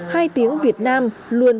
hai tiếng việt nam luôn